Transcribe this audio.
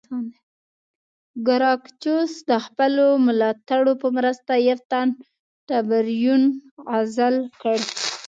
ګراکچوس د خپلو ملاتړو په مرسته یو تن ټربیون عزل کړ